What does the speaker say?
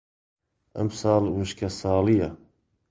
ئەم ساڵ وشکە ساڵییە.